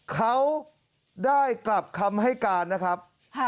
เขาได้กลับคำให้การนะครับ